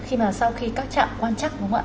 khi mà sau khi các trạm quan chắc